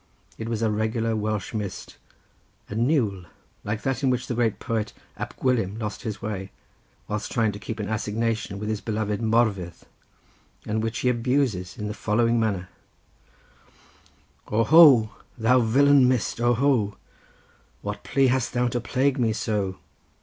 It was a regular Welsh mist, a niwl, like that in which the great poet Ab Gwilym lost his way, whilst trying to keep an assignation with his beloved Morfydd, and which he abuses in the following manner:— "O ho! thou villain mist, O ho! What plea hast thou to plague me so!